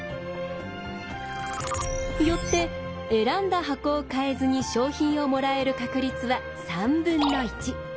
よって選んだ箱を変えずに賞品をもらえる確率は３分の１。